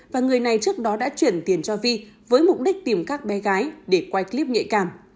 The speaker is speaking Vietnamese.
và người này trước đó đã chuyển tiền cho vi với mục đích tìm các bé gái để quay clip nhạy cảm